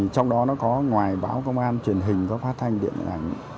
trong đó nó có ngoài báo công an truyền hình phát thanh điện thoại